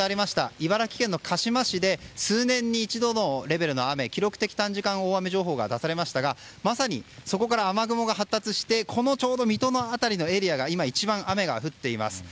茨城県の鹿嶋市で数年に一度のレベルの雨記録的短時間大雨情報が出されましたがまさにそこから雨雲が発達してちょうど水戸の辺りのエリアが一番雨が降っています。